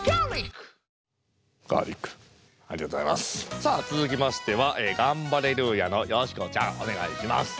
さあつづきましてはガンバレルーヤのよしこちゃんおねがいします。